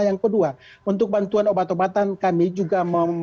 yang kedua untuk bantuan obat obatan kami juga